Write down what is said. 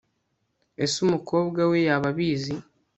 ese umukobwa we yaba abizi